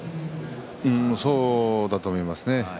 そうだと思いますね。